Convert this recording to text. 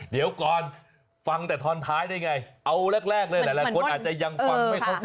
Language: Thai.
เดี๋ยวก่อนฟังแต่ทอนท้ายได้ไงเอาแรกเลยหลายคนอาจจะยังฟังไม่เข้าใจ